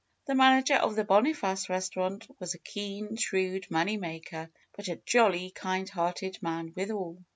The manager of the Boniface restaurant was a keen, shrewd money maker, but a jolly, kind hearted man withal.